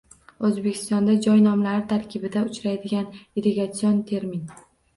O‘zbekistonda joy nomlari tarkibida uchraydigan irrigatsion termin.